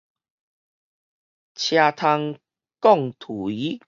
車窗摃槌